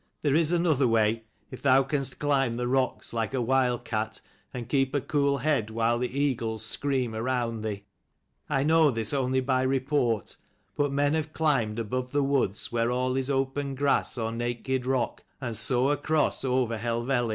"There is another way, if thou canst climb the rocks like a wild cat, and keep a cool head while the eagles scream around thee. I know this only by report : but men have climbed above the woods where all is open grass or naked rock, and so across over Helvellyn.